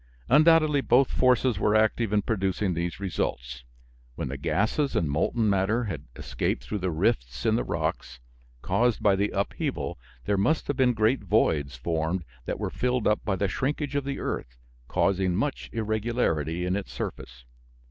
Undoubtedly both forces were active in producing these results. When the gases and molten matter had escaped through the rifts in the rocks caused by the upheaval there must have been great voids formed that were filled up by the shrinkage of the earth, causing much irregularity in its surface.